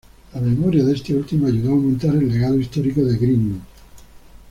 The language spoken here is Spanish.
La memoria de este último ayuda a aumentar el legado histórico de Greenwood.